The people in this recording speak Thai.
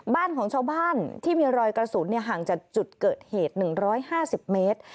บ้านของชาวบ้านที่มีรอยกระสุนห่างจากจุดเกิดเหตุ๑๕๐เมตร